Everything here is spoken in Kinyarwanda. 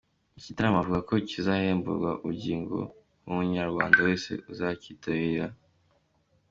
Iki gitaramo avuga ko kizahembura ubugingo bw’umunyarwanda wese uzakitabira.